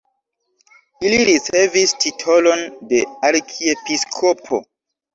Ili ricevis titolon de arkiepiskopo.